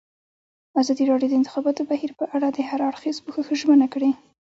ازادي راډیو د د انتخاباتو بهیر په اړه د هر اړخیز پوښښ ژمنه کړې.